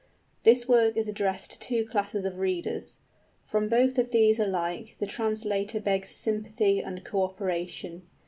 This work is addressed to two classes of readers. From both of these alike the translator begs sympathy and co operation.